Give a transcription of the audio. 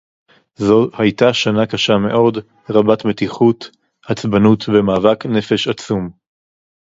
זו הייתה שנה קשה מאוד, רבת מתיחות, עצבנות ומאבק־נפש עצום.